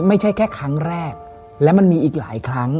ไม่ใช่แค่ครั้งแรกและมันมีอีกหลายครั้ง